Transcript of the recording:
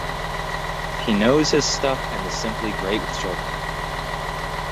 He knows his stuff and is simply great with children.